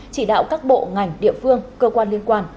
chỉ đạo các bộ ngành địa phương cơ quan liên quan